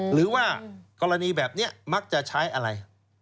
หรือว่ากรณีแบบนี้มักจะใช้อะไร